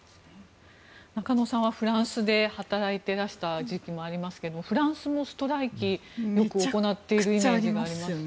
中野さんはフランスで働いてらした時期もありますがフランスもストライキ結構行っているイメージがありますが。